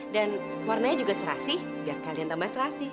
dan warnanya juga serasi biar kalian tambah serasi